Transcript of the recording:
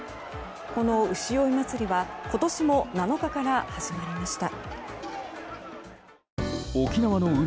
この牛追い祭りは今年も７日から始まりました。